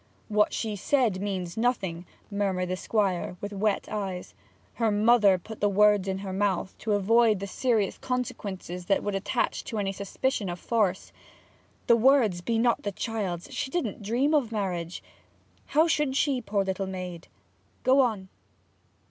'What she said means nothing,' murmured the Squire, with wet eyes. 'Her mother put the words into her mouth to avoid the serious consequences that would attach to any suspicion of force. The words be not the child's: she didn't dream of marriage how should she, poor little maid! Go on.'